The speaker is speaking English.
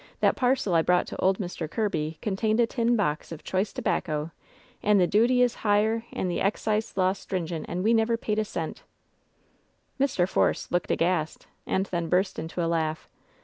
That parcel I brought to old Mr. Kirby contained a tin box of choice tobacco, and the duty is higher, and the excise law stringent, and we never paid a centl" Mr. Force looked aghast, and then burst into a laugh.